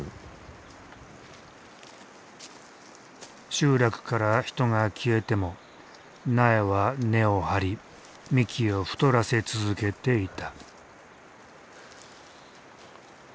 集落から人が消えても苗は根を張り幹を太らせ続けていた。